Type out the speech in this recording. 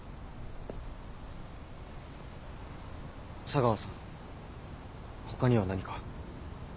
茶川さんほかには何か。